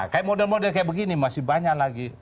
kayak model model kayak begini masih banyak lagi